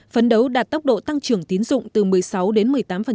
phấn đấu đạt tốc độ tăng trưởng tín dụng từ một mươi sáu đến một mươi tám